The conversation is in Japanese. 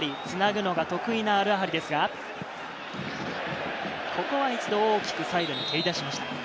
つなぐのが得意なアルアハリですが、ここは一度大きくサイドに蹴り出しました。